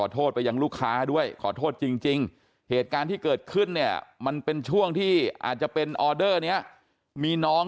ถ้าโทรมาแจ้ง